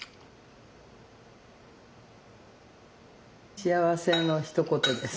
幸せのひと言です。